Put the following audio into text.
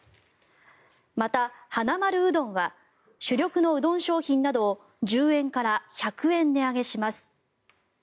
また、はなまるうどんは主力のうどん商品などを１０円から１００円値上げします。